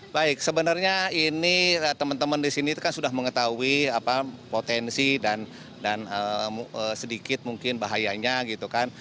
baik sebenarnya ini teman teman di sini kan sudah mengetahui potensi dan sedikit mungkin bahayanya gitu kan